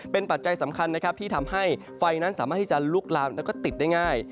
เป็นปัจจัยสำคัญนะครับที่ทำให้ไฟนั้นสามารถที่จะลุกลามแล้วก็ติดได้ง่าย